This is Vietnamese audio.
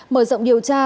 mở rộng điều tra